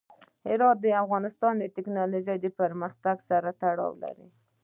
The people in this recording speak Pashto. هرات د افغانستان د تکنالوژۍ پرمختګ سره تړاو لري.